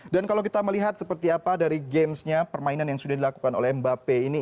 dan kalau kita melihat seperti apa dari gamesnya permainan yang sudah dilakukan oleh mbappe ini